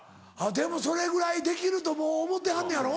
でもそれぐらいできるともう思うてはんのやろ？